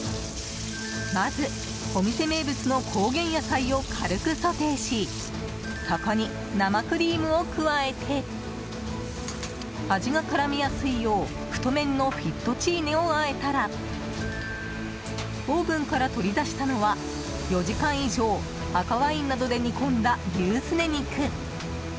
まず、お店名物の高原野菜を軽くソテーしそこに生クリームを加えて味が絡みやすいよう太麺のフィットチーネをあえたらオーブンから取り出したのは４時間以上、赤ワインなどで煮込んだ牛スネ肉。